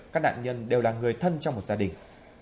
các nạn nhân đều là người thân trong một gia đình